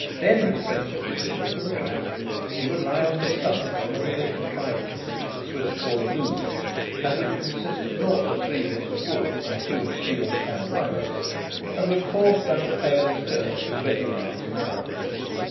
Denry's predilection was for the track. He would lie on his stomach on the little contrivance which the Swiss call a luge, and which consists of naught but three bits of wood and two steel clad runners, and would course down the perilous curves at twenty miles an hour.